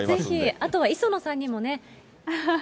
あとは磯野さんにもね。